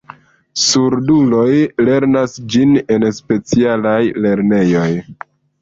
Surduloj lernas ĝin en specialaj lernejoj.